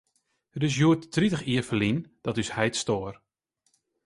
It is hjoed tritich jier ferlyn dat ús heit stoar.